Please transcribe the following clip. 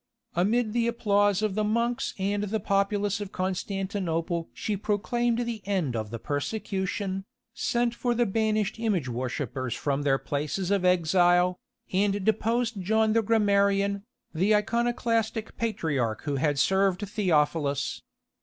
Amid the applause of the monks and the populace of Constantinople she proclaimed the end of the persecution, sent for the banished image worshippers from their places of exile, and deposed John the Grammarian, the Iconoclastic patriarch who had served Theophilus.